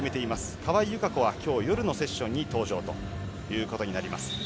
川井友香子は今日夜のセッションに登場ということになります。